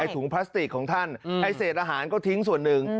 ถุงพลาสติกของท่านไอ้เศษอาหารก็ทิ้งส่วนหนึ่ง